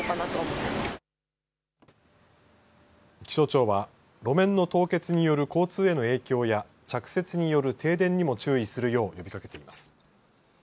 気象庁は路面の凍結による交通への影響や着雪による停電にも注意するよう呼びかけています。